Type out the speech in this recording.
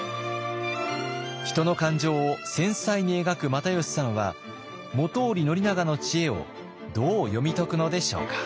人の感情を繊細に描く又吉さんは本居宣長の知恵をどう読み解くのでしょうか？